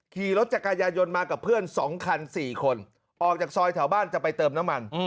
ขี่รถจักรยายนมากับเพื่อน๒คัน๔คนออกจากซอยแถวบ้านจะไปเติมน้ำมัน